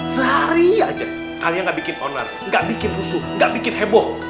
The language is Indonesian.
sehari aja kalian gak bikin owner gak bikin rusuh gak bikin heboh